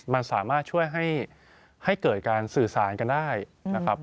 มันสามารถช่วยให้เกิดการสื่อสารกันได้นะครับ